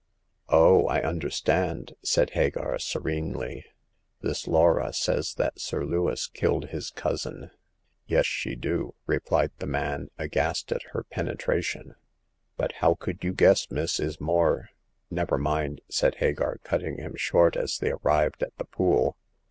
" Oh, I understand," said Hagar, serenely ; this Laura says that Sir Lewis killed his cousin." " Yes, she do," replied the man, aghast at her penetration ;but how could you guess, miss, is more "" Never mind,'' said Hagar, cutting him short as they arrived at the pool.